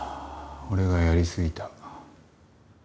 俺がやりすぎた。